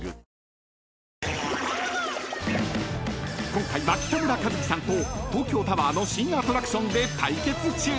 ［今回は北村一輝さんと東京タワーの新アトラクションで対決中］